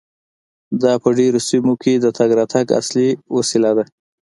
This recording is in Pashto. دا په ډیرو سیمو کې د تګ راتګ اصلي وسیله ده